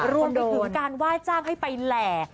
รวมไปถึงการว่าจ้างให้ไปแหล่